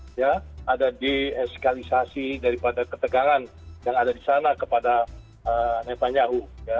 ada deeskalisasi daripada ketegangan yang ada di sana kepada netanyahu